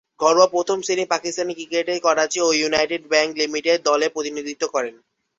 ঘরোয়া প্রথম-শ্রেণীর পাকিস্তানি ক্রিকেটে করাচি ও ইউনাইটেড ব্যাংক লিমিটেড দলের প্রতিনিধিত্ব করেন।